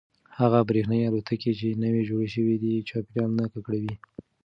هغه برېښنايي الوتکې چې نوې جوړې شوي دي چاپیریال نه ککړوي.